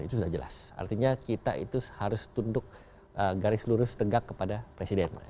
itu sudah jelas artinya kita itu harus tunduk garis lurus tegak kepada presiden